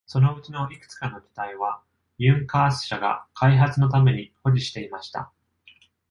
そのうちのいくつかの機体は、ユンカース社が開発のために保持していました。